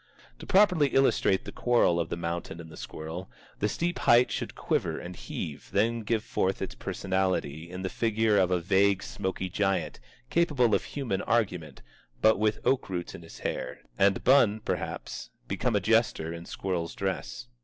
To properly illustrate the quarrel of the Mountain and the Squirrel, the steep height should quiver and heave and then give forth its personality in the figure of a vague smoky giant, capable of human argument, but with oak roots in his hair, and Bun, perhaps, become a jester in squirrel's dress.